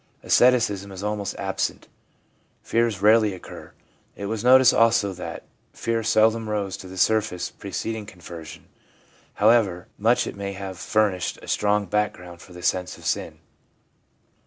Asceticism is almost absent. Fears rarely occur ; it was noticed also that fear seldom rose to the surface preceding conversion, however much it may have furnished a strong background for the sense of sin.